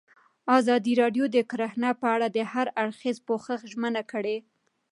ازادي راډیو د کرهنه په اړه د هر اړخیز پوښښ ژمنه کړې.